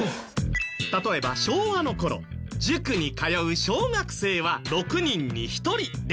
例えば昭和の頃塾に通う小学生は６人に１人でしたが。